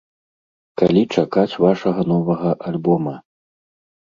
Калі чакаць вашага новага альбома?